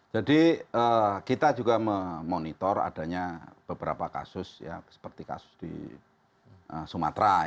jadi kita juga memonitor adanya beberapa kasus seperti kasus di sumatera